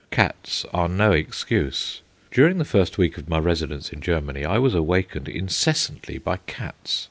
Cats are no excuse. During the first week of my residence in Germany I was awakened incessantly by cats.